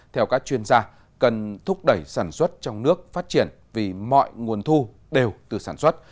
theo các chuyên gia cần thúc đẩy sản xuất trong nước phát triển vì mọi nguồn thu đều từ sản xuất